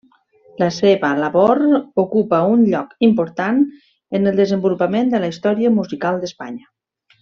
La seva labor ocupa un lloc important en el desenvolupament de la història musical d'Espanya.